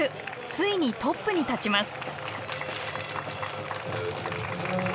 ついにトップに立ちます。